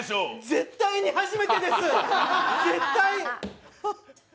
絶対に初めてです、絶対。